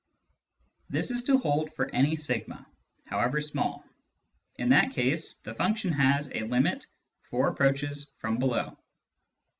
This is to hold for any a, however small ; in that case the function has a limit for approaches from below.